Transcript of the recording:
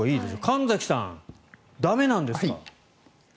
神崎さん、駄目なんですか？